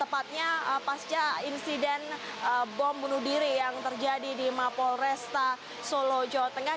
pasca insiden bom bunuh diri yang terjadi di mapolresta solo jawa tengah